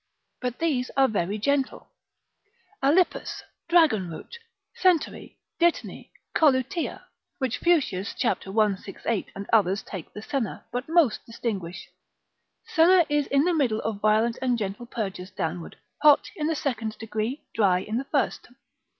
But these are very gentle; alyppus, dragon root, centaury, ditany, colutea, which Fuchsius cap. 168 and others take for senna, but most distinguish. Senna is in the middle of violent and gentle purgers downward, hot in the second degree, dry in the first.